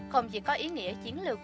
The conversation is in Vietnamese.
không chỉ có ý nghĩa chiến lược